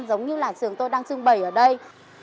giống như là trường tôi đang trưng bày ở đây